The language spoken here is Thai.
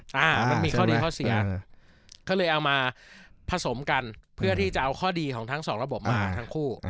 มันมีข้อดีข้อเสียก็เลยเอามาผสมกันเพื่อที่จะเอาข้อดีของทั้งสองระบบมาทั้งคู่